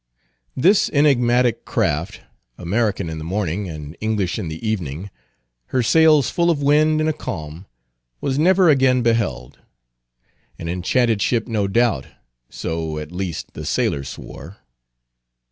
This enigmatic craft—American in the morning, and English in the evening—her sails full of wind in a calm—was never again beheld. An enchanted ship no doubt. So, at least, the sailors swore.